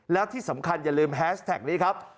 แล้วที่สำคัญอย่าลืมแฮชแท็กนี้ครับ